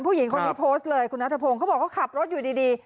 ผู้หญิงคนนี้โพสต์เลยคุณนัทพงศ์เขาบอกว่าขับรถอยู่ดี